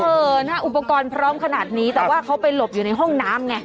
เออนะอุปกรณ์พร้อมขนาดนี้แต่ว่าเขาไปหลบอยู่ในห้องน้ำไง